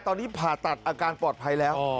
ตอนนี้ผ่าตัดอาการปลอดภัยแล้ว